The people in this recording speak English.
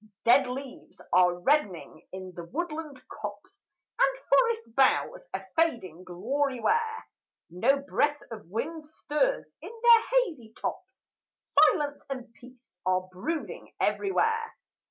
Dead leaves are reddening in the woodland copse, And forest boughs a fading glory wear; No breath of wind stirs in their hazy tops, Silence and peace are brooding everywhere.